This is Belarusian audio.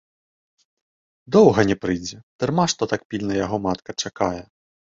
Доўга не прыйдзе, дарма што так пільна яго матка чакае.